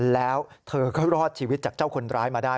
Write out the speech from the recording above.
แล้วเธอก็รอดชีวิตจากเจ้าคนร้ายมาได้